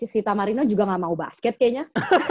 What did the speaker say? sita marino juga gak mau basket kayaknya